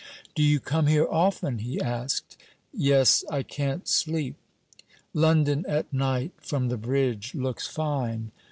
'Do you come here often?' he asked. 'Yes, I can't sleep.' 'London at night, from the bridge, looks fine.